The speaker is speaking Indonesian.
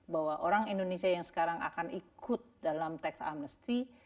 bahwa orang indonesia yang sekarang akan ikut dalam tax amnesty